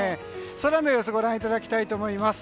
空の様子をご覧いただきたいと思います。